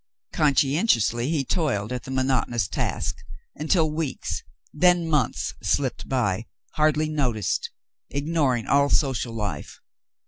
Conscientiously he toiled at the monotonous task, until weeks, then months, slipped by, hardly noticed, ignoring all social life.